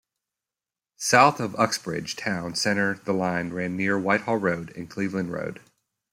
South from Uxbridge town centre the line ran near Whitehall Road and Cleveland Road.